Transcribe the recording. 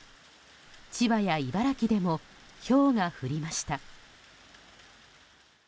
千葉や茨城でもひょうが降りました。